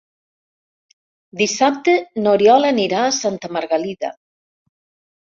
Dissabte n'Oriol anirà a Santa Margalida.